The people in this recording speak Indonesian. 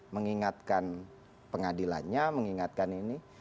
mengingatkan pengadilannya mengingatkan ini